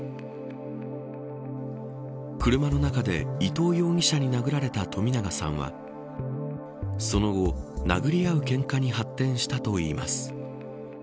車の中で伊藤容疑者に殴られた冨永さんはその後、殴り合うけんかに発展したといいます。